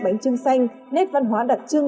bánh trưng xanh nét văn hóa đặc trưng